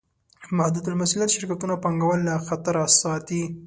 محدودالمسوولیت شرکتونه پانګهوال له خطره ساتي.